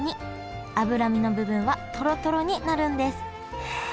脂身の部分はトロトロになるんです。